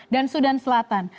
dan sudan selatan